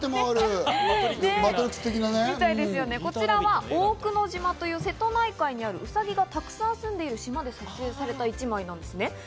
こちらは大久野島という瀬戸内海にあるウサギがたくさん住んでいる島で撮影された１枚です。